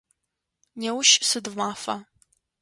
Неущ сыд мафа?